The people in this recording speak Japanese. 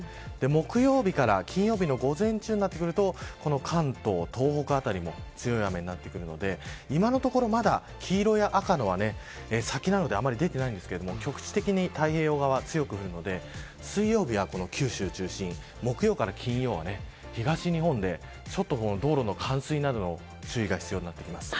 木曜日から金曜日の午前中になってくると関東、東北辺りも強い雨になってくるので今のところまだ黄色い赤のは先なのでまだ出ていないんですけれど局地的に太平洋側は強く降るので水曜日は九州中心木曜から金曜は東日本で道路の冠水などに注意が必要です。